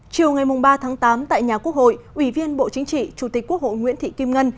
chiều ngày ba tháng tám tại nhà quốc hội ủy viên bộ chính trị chủ tịch quốc hội nguyễn thị kim ngân